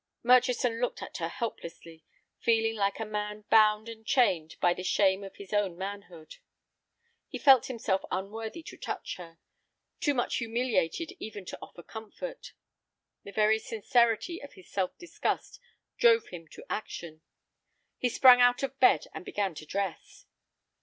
Murchison looked at her helplessly, feeling like a man bound and chained by the shame of his own manhood. He felt himself unworthy to touch her, too much humiliated even to offer comfort. The very sincerity of his self disgust drove him to action. He sprang out of bed and began to dress.